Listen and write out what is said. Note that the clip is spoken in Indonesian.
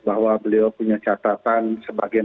bahwa beliau punya catatan sebagai